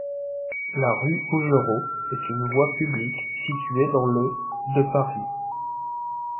La rue Augereau est une voie publique située dans le de Paris.